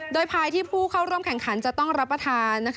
โดยภายที่ผู้เข้าร่วมแข่งขันจะต้องรับประทาน